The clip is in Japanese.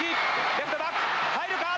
レフトバック入るか。